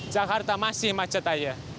jakarta masih macet aja